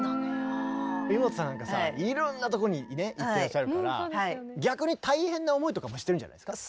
イモトさんなんかさいろんなとこにね行ってらっしゃるから逆に大変な思いとかもしてるんじゃないですか？